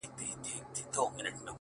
• په ښایستو بڼو کي پټ رنګین وو ښکلی ,